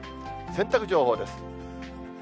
洗濯情報です。